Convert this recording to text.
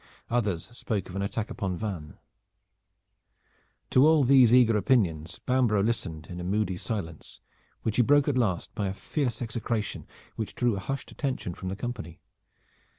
Others spoke of an attack upon Vannes. To all these eager opinions Bambro' listened in a moody silence, which he broke at last by a fierce execration which drew a hushed attention from the company.